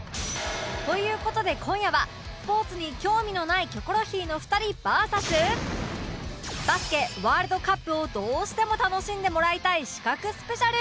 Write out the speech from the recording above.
という事で今夜はスポーツに興味のないキョコロヒーの２人 ＶＳ バスケワールドカップをどうしても楽しんでもらいたい刺客スペシャル！